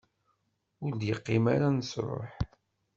Ur d-yeqqim ara nesruḥ.